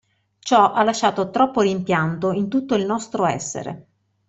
Ciò ha lasciato troppo rimpianto in tutto il nostro essere.